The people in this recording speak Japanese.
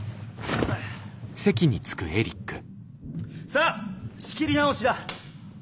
さあ仕切り直しだ。